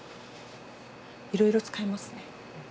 いろいろ使えますね。